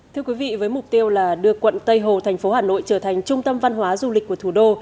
thưa quý vị với mục tiêu là đưa quận tây hồ thành phố hà nội trở thành trung tâm văn hóa du lịch của thủ đô